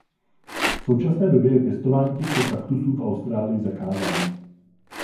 V současné době je pěstování těchto kaktusů v Austrálii zakázáno.